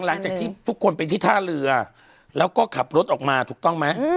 หลังจากที่ทุกคนไปที่ท่าเรือแล้วก็ขับรถออกมาถูกต้องไหม